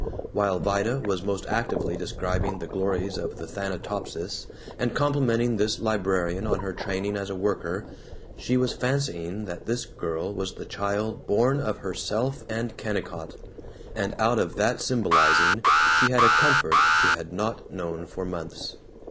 While Vida was most actively describing the glories of the Thanatopsis, and complimenting this librarian on her training as a worker, she was fancying that this girl was the child born of herself and Kennicott; and out of that symbolizing she had a comfort she had not known for months.